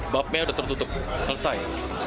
babnya udah tertutup selesai